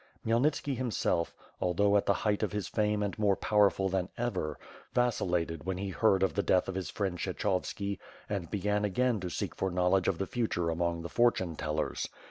Khmy elnitski himself, although at the height of his fame and more powerful than ever, vacillated when he heard of the death of his friend Kshechovski and began anew to seek for knowl edge of the future among the fortune tellers.